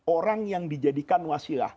orang yang dijadikan wasilah